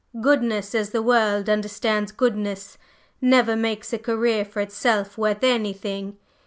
"Goodness as the world understands goodness never makes a career for itself worth anything.